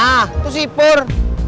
nah itu si pur